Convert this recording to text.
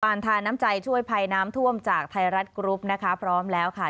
ทาน้ำใจช่วยภัยน้ำท่วมจากไทยรัฐกรุ๊ปนะคะพร้อมแล้วค่ะ